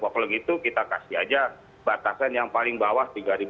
waktu itu kita kasih saja batasan yang paling bawah rp tiga lima ratus